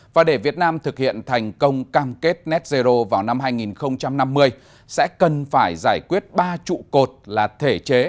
và để việt nam thực hiện thành công cam kết net zero vào năm hai nghìn năm mươi sẽ cần phải giải quyết ba trụ cột là thể chế